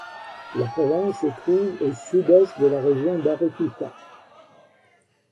La province se trouve au sud-est de la région d'Arequipa.